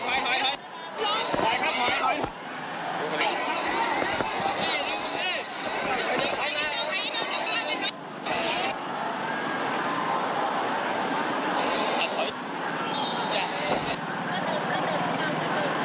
ข้าตอนนี้ก็ยิงแล้วก็ยังไหล